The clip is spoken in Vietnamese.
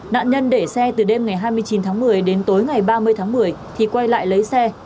nạn nhân để xe từ đêm ngày hai mươi chín tháng một mươi đến tối ngày ba mươi tháng một mươi thì quay lại lấy xe